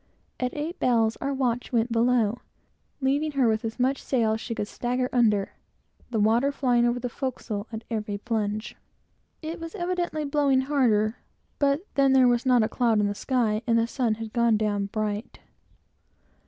At eight bells our watch went below, leaving her with as much sail as she could stagger under, the water flying over the forecastle at every plunge. It was evidently blowing harder, but then there was not a cloud in the sky, and the sun had gone down bright.